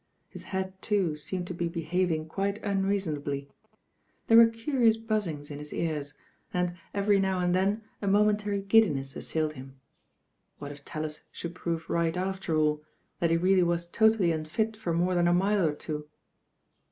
His head, too, seemed to be behaving quite unreasonably. There were curious buzzings in his ears, and every now and then a momentary giddiness assailed him. What if Tallis should prove right after all, that he really was totally unfit for more than a mile or two?